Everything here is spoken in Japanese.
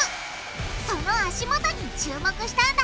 その足元に注目したんだ！